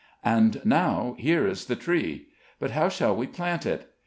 And now, here is the tree, but how shall we plant it?